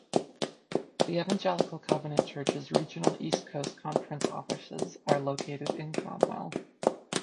The Evangelical Covenant Church's regional East Coast Conference offices are located in Cromwell.